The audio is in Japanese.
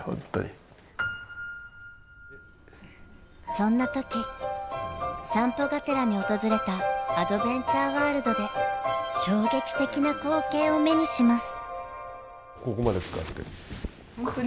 そんな時散歩がてらに訪れたアドベンチャーワールドで衝撃的な光景を目にします。